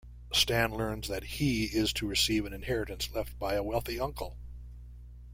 Stan learns that he is to receive an inheritance left by a wealthy uncle.